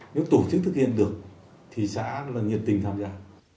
nếu tổ chức thực hiện được thì xã là nhiệt tình tham gia